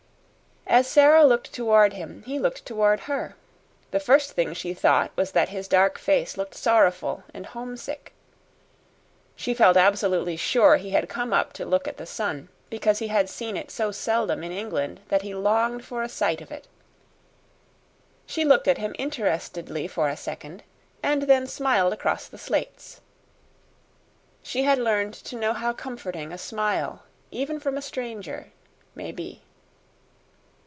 As Sara looked toward him he looked toward her. The first thing she thought was that his dark face looked sorrowful and homesick. She felt absolutely sure he had come up to look at the sun, because he had seen it so seldom in England that he longed for a sight of it. She looked at him interestedly for a second, and then smiled across the slates. She had learned to know how comforting a smile, even from a stranger, may be.